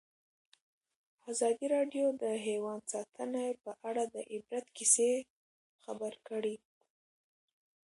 ازادي راډیو د حیوان ساتنه په اړه د عبرت کیسې خبر کړي.